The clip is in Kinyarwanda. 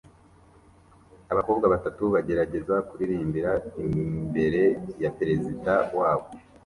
Abakobwa batatu bagerageza kuririmbira imbere ya perezida wabo